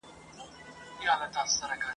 د ساړه ژمي په تیاره کي مرمه ..